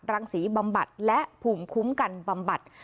รังศรีบำบัดและภูมิคุ้มกันบำบัด